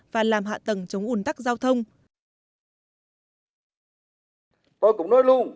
và làm hạ tầng chống ủn tắc giao thông